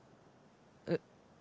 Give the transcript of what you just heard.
えっ。